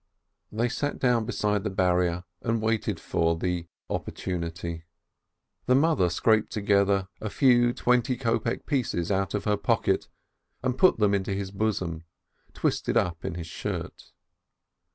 They sat down beside the barrier, and waited for the "opportunity." The mother scraped together a few twenty kopek pieces out of her pocket, and put them into his bosom, twisted up in his shirt.